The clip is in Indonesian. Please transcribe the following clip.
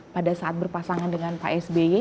pada saat berpasangan dengan pak sby